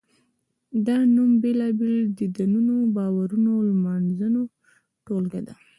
دا نوم بېلابېلو دینونو، باورونو او لمانځنو ټولګه ده.